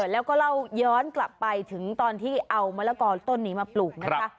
แล้วก็เล่าย้อนกลับไปถึงตอนที่เอามะละกอต้นนี้มาปลูกนะคะ